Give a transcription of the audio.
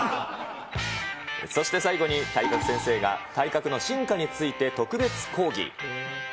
そして最後に体格先生が体格の進化について特別講義。